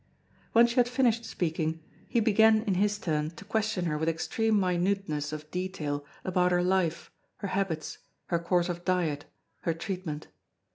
When she had finished speaking, he began in his turn to question her with extreme minuteness of detail about her life, her habits, her course of diet, her treatment.